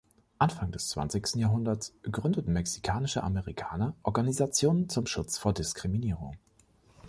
Anfang des zwanzigsten Jahrhunderts gründeten mexikanische Amerikaner Organisationen zum Schutz vor Diskriminierung.